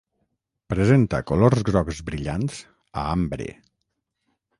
Presenta colors grocs brillants a ambre.